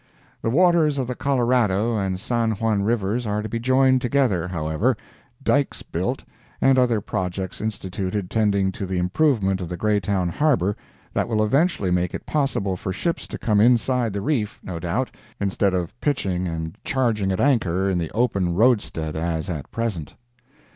The waters of the Colorado and San Juan Rivers are to be joined together, however, dykes built, and other projects instituted tending to the improvement of the Greytown harbor, that will eventually make it possible for ships to come inside the reef, no doubt, instead of pitching and charging at anchor in the open roadstead as at present.